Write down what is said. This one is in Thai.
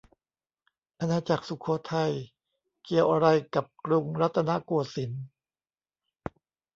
อาณาจักรสุโขทัย เกี่ยวอะไรกับกรุงรัตนโกสินทร์